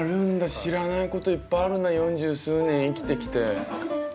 知らないこといっぱいあるな四十数年生きてきて。